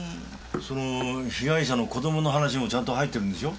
その被害者の子どもの話もちゃんと入ってるんでしょ？